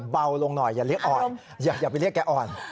เบาลงหน่อยอย่าไปเรียกแกอ่อน